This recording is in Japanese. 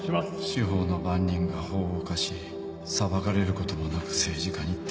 司法の番人が法を犯し裁かれることもなく政治家にって